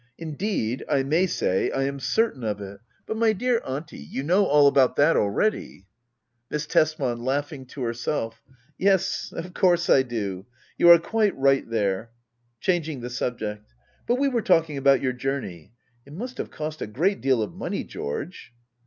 Indeed, I may say I am certain of it. But my dear Auntie — ^you know all about that already ! Miss Tbsman. [Laughing to herself.] Yes, of course I do. You are quite right there. [ChangiHgthe suhfect.] Butwe were talking about your journey. It must have cost a great deal of money, George